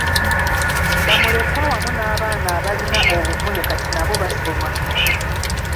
Bamulekwa wamu n'abaana abalina obuvune kati nabo basoma.